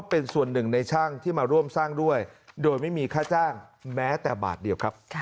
โปรดติดตามตอนต่อไป